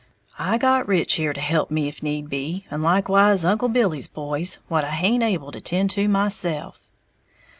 I got Rich here to help me if need be, and likewise Uncle Billy's boys, what I haint able to tend to myself."